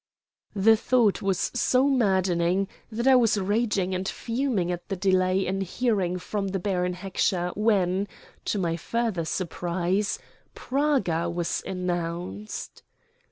The thought was so maddening that I was raging and fuming at the delay in hearing from the Baron Heckscher when, to my further surprise, Praga was announced.